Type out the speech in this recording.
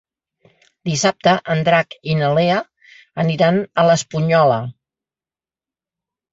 Dissabte en Drac i na Lea aniran a l'Espunyola.